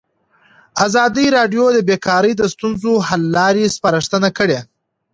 ازادي راډیو د بیکاري د ستونزو حل لارې سپارښتنې کړي.